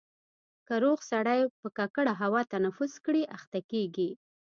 که روغ سړی په ککړه هوا تنفس کړي اخته کېږي.